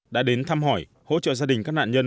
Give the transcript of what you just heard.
đã đến thăm hỏi hỗ trợ gia đình các nạn nhân